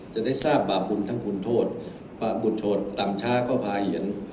จะได้ทราบบาปบุญทั้งคุณโทษประบุญโทษต่ำช้าก็พาเห็น